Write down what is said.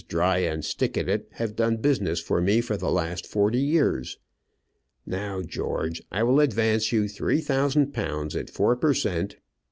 Dry and Stickatit have done business for me for the last forty years. Now, George, I will advance you three thousand pounds at four per cent.